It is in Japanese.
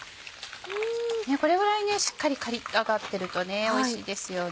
これぐらいしっかりカリっと揚がってるとおいしいですよね。